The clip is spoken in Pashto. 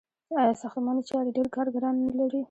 آیا ساختماني چارې ډیر کارګران نلري؟